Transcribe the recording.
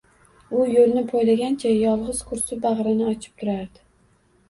U yo’lini poylagancha yolg’iz kursi bag’rini ochib turardi.